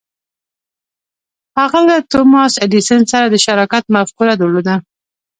هغه له توماس ایډېسن سره د شراکت مفکوره درلوده.